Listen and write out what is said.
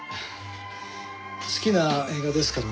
好きな映画ですからね。